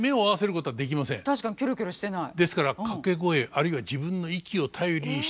確かにキョロキョロしてない。